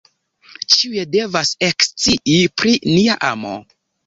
Ĉiuj devas ekscii pri nia amo.